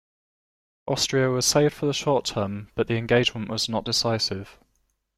Austria was saved for the short term, but the engagement was not decisive.